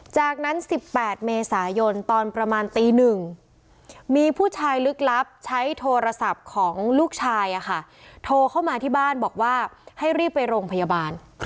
จากนั้น๑๘เมษายนตอนประมาณตี๑มีผู้ชายลึกลับใช้โทรศัพท์ของลูกชายโทรเข้ามาที่บ้านบอกว่าให้รีบไปโรงพยาบาล